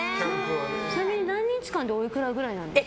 ちなみに何日間でおいくらくらいなんですか。